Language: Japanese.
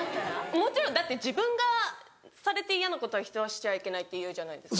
もちろんだって自分がされて嫌なことは人はしちゃいけないっていうじゃないですか。